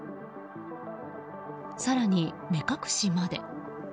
更に、目隠しまで。